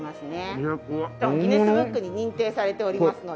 『ギネスブック』に認定されておりますので。